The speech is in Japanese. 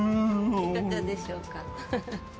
いかがでしょうか。